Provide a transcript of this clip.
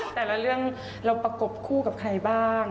แต่ละเรื่องเราประกบคู่กับใครบ้าง